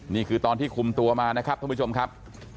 นี่คือตอนที่คุมตัวมานะครับท่านผู้ชมครับ